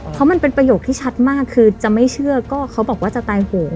เพราะมันเป็นประโยคที่ชัดมากคือจะไม่เชื่อก็เขาบอกว่าจะตายโหก